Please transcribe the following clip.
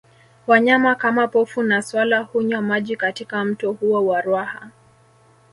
Wanyama kama Pofu na swala hunywa maji katika mto huo wa Ruaha